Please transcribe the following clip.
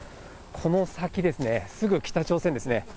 この先ですね、すぐ北朝鮮ですね。